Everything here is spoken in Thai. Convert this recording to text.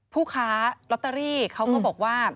ผู้ค้าลอตเตอรี่เขาก็บอกว่า